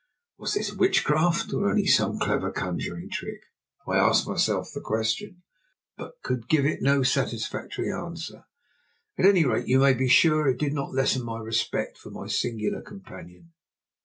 Was this witchcraft or only some clever conjuring trick? I asked myself the question, but could give it no satisfactory answer. At any rate you may be sure it did not lessen my respect for my singular companion.